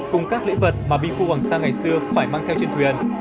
cùng các lễ vật mà bi phu hoàng sa ngày xưa phải mang theo trên thuyền